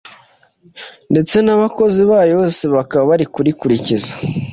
ndetse n’abakozi bayo bose bakaba barikurikiza